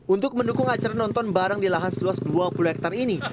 untuk mendukung acara nonton barang di lahan seluas dua puluh hektare ini